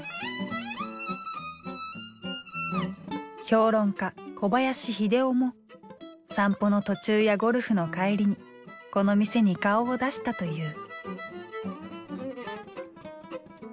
評論家小林秀雄も散歩の途中やゴルフの帰りにこの店に顔を出したという。